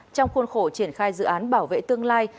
trong khuôn khổ triển khai dự án bảo vệ tương lai